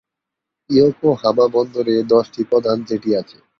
Yokohama বন্দরে দশটি প্রধান জেটি আছে।